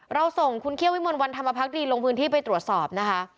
เราส่งคุณเคี่ยววิมลวันธรรมพักดีลงพื้นที่ไปตรวจสอบนะคะ